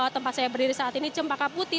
tempat saya berdiri saat ini cempaka putih